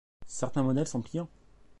Certains modèles sont pliants.